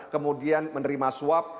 kemudian menerima swab